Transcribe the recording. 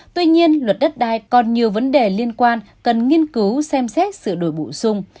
tuy nhiên luật đất đai còn nhiều vấn đề liên quan cần nghiên cứu xem xét sửa đổi bổ sung